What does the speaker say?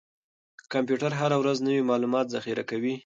کمپیوټر هره ورځ نوي معلومات ذخیره کوي.